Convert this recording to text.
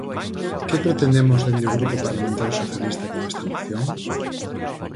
¿Que pretendemos dende o Grupo Parlamentario Socialista con esta moción?